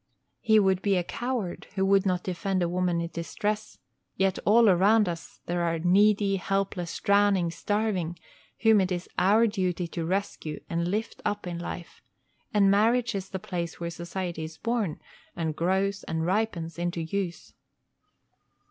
He would be a coward who would not defend a woman in distress; yet all around us are the needy, helpless, drowning, starving, whom it is our duty to rescue and lift up in life; and marriage is the place where society is born, and grows and ripens into use.